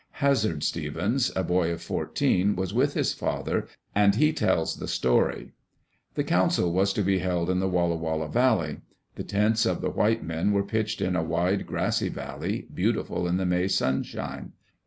Hazard Stevens, a boy of fourteen, was with his father, and he tells the story. The council was to be held in the Walla Walla Valley. The tents of the white men were pitched in a wide, grassy valley, beautiful in the May sunshine.